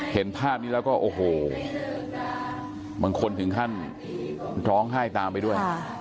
เห็นภาพนี้แล้วก็โอ้โหบางคนถึงขั้นร้องไห้ตามไปด้วย